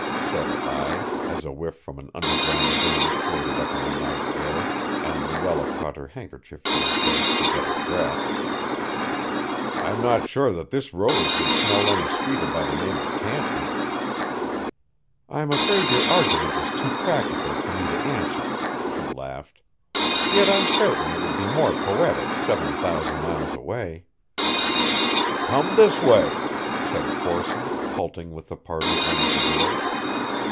said I, as a whiff from an underground den floated up on the night air, and Luella caught her handkerchief to her face to get her breath. "I'm not sure that this rose would smell any sweeter by the name of Canton." "I'm afraid your argument is too practical for me to answer," she laughed. "Yet I'm certain it would be more poetic seven thousand miles away." "Come this way," said Corson, halting with the party at one of the doors.